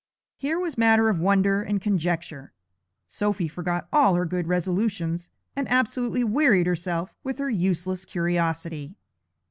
Here was matter of wonder and conjecture. Sophy forgot all her good resolutions, and absolutely wearied herself with her useless curiosity.